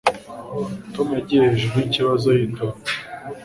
Tom yagiye hejuru yikibazo yitonze